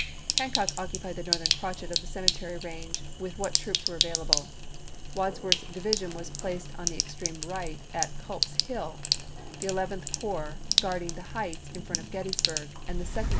Hancock occupied the northern crotchet of the cemetery range with what troops were available; Wadsworth's division was placed on the extreme right at Culp's Hill, the Eleventh Corps guarding GETTYSBUBG 245 the heights in front of Gettysburg and the Second chap.